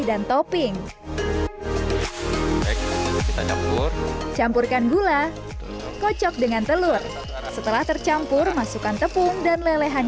dan topping campurkan gula kocok dengan telur setelah tercampur masukkan tepung dan lelehan